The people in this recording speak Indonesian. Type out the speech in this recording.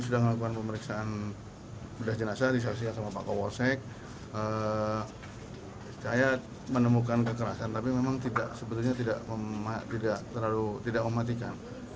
tapi memang sebetulnya tidak mematikan